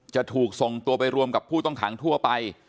จะถูกส่งตัวไปรวมกับผู้ต้องขังทั่วไป